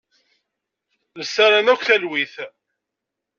Nessaram akk talwit.